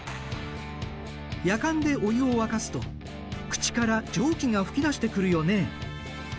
やかんでお湯を沸かすと口から蒸気が噴き出してくるよね。